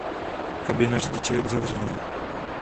Kabina řidiče je uzavřená.